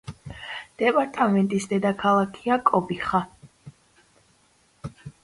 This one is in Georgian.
დეპარტამენტის დედაქალაქია კობიხა.